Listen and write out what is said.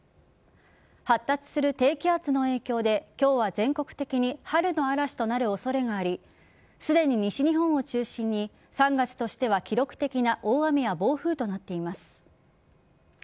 発達する低気圧の影響で今日は全国的に春の嵐となる恐れがありすでに西日本を中心に３月としては記録的な大雨や暴風となっています。